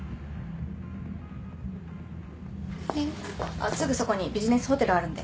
あっすぐそこにビジネスホテルあるんで。